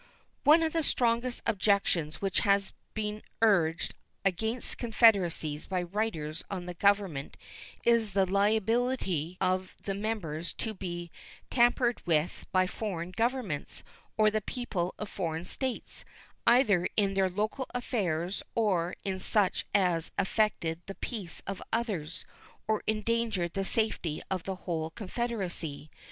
One of the strongest objections which has been urged against confederacies by writers on government is the liability of the members to be tampered with by foreign governments or the people of foreign states, either in their local affairs or in such as affected the peace of others or endangered the safety of the whole confederacy.